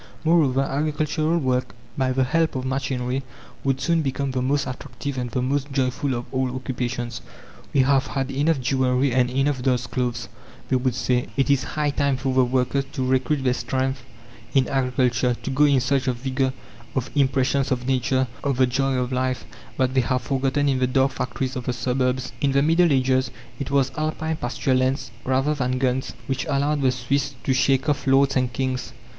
Moreover, agricultural work, by the help of machinery, would soon become the most attractive and the most joyful of all occupations. "We have had enough jewelery and enough dolls' clothes," they would say; "it is high time for the workers to recruit their strength in agriculture, to go in search of vigour, of impressions of nature, of the joy of life, that they have forgotten in the dark factories of the suburbs." In the Middle Ages it was Alpine pasture lands, rather than guns, which allowed the Swiss to shake off lords and kings.